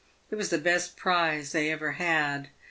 It was the best prize they had ever had.